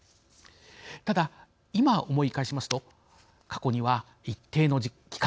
ただ、今思い返しますと過去には一定の期間